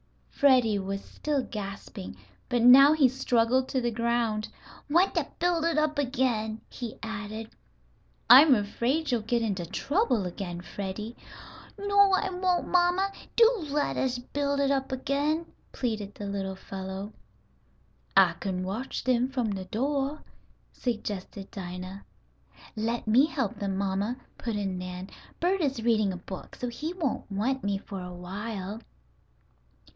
Freddie was still gasping, but now he struggled to the ground. "Want to build it up again," he added. "I am afraid you'll get into trouble again, Freddie." "No, I won't, mamma. Do let us build it up again," pleaded the little fellow. "I kin watch dem from de doah," suggested Dinah. "Let me help them, mamma," put in Nan. "Bert is reading a book, so he won't want me for a while."